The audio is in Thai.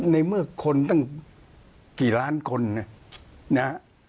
ในเมื่อคนตั้งกี่ล้านคนนะฮะ